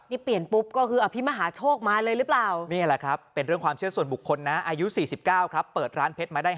นี่เปลี่ยนปุ๊บก็คืออภิมหาโชคมาเลยหรือเปล่า